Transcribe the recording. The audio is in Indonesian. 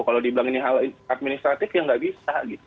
kalau dibilang ini hal administratif ya nggak bisa